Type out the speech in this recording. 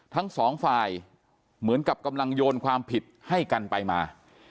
ทั้งสองฝ่ายเหมือนกับกำลังโยนความผิดให้กันไปมา